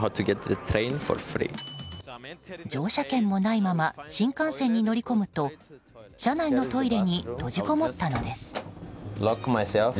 乗車券もないまま新幹線に乗り込むと車内のトイレに閉じこもったのです。